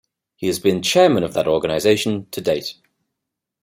He has been chairman of that organisation to date.